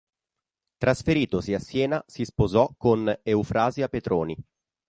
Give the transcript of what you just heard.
Trasferitosi a Siena, si sposò con Eufrasia Petroni.